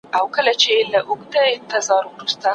ایا تاسي کله په انټرنيټ کې ویډیو اپلوډ کړې؟